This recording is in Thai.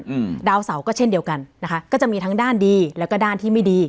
อืมดาวเสาก็เช่นเดียวกันนะคะก็จะมีทั้งด้านดีแล้วก็ด้านที่ไม่ดี